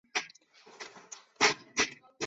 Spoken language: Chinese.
选管会将启德重新分划选区。